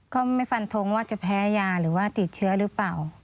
ก็ไม่ฟันทงว่าจะแพ้ยาหรือว่าติดเชื้อหรือเปล่า